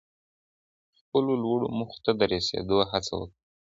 خپلو لوړو موخو ته د رسېدو هڅه وکړئ.